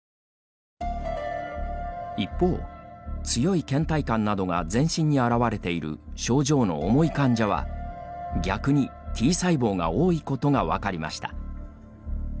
一方、強いけん怠感などが全身に現れている症状の重い患者は逆にＴ細胞が多いことが分かりました。